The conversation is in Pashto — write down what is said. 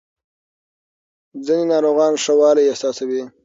ځینې ناروغان ښه والی احساسوي.